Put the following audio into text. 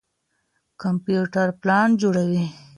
کمپيوټر پلان جوړوي.